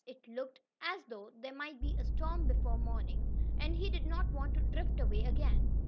It looked as though there might be a storm before morning, and he did not want to drift away again.